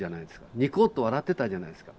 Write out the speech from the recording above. ニコッと笑ってたじゃないですか。